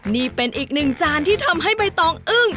นี่เป็นอีกหนึ่งจานที่ทำให้ใบตองอึ้ง